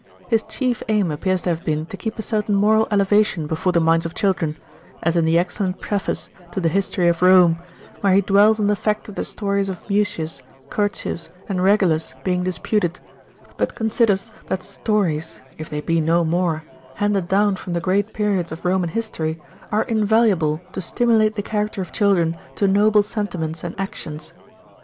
His chief aim appears to have been to keep a certain moral elevation before the minds of children, as in the excellent preface to the History of Rome, where he dwells on the fact of the stories of Mucius, Curtius, and Regulus being disputed; but considers that stories if they be no more handed down from the great periods of Roman history are invaluable to stimulate the character of children to noble sentiments and actions.